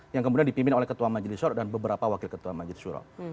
yang kemudian dipimpin oleh ketua majelis syur dan beberapa wakil ketua majelis suro